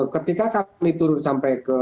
ketika kami turun sampai